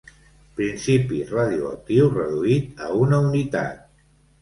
Principi radioactiu reduït a una unitat.